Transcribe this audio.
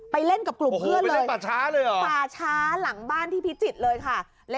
ไปเล่นกับกลุ่มเพื่อนเลยป่าชาหลังบ้านที่พิจิตรเลยค่ะไปเล่นกับกลุ่มเพื่อนเลย